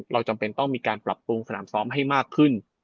จำเป็นต้องมีการปรับปรุงสนามซ้อมให้มากขึ้น